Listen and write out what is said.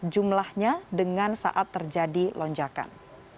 jumlahnya dengan saat terjadi lonjakan